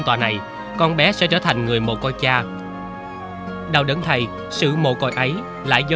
quý không nói được gì